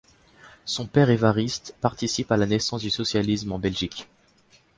Son père Evariste, participe à la naissance du socialisme en Belgique.